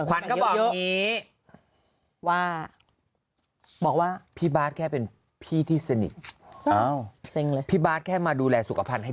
ก็บอกว่าบอกว่าพี่บาทแค่เป็นพี่ที่สนิทแค่มาดูแลสุขภัณฑ์ให้